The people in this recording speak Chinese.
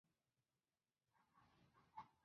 他出生在麻萨诸塞州的波士顿。